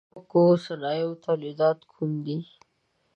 د اروپا د سپکو صنایعو تولیدات کوم دي؟